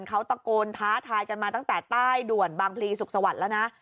เขาตะโกนท้าทายกันมาตั้งแต่ใต้ด่วนบางพลีสุขสวัสดิ์แล้วนะ